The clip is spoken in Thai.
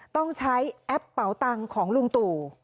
ต้องใช้แอปเป่าตังค์ของลุงตู่